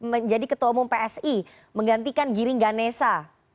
menjadi ketua umum psi menggantikan giringganesa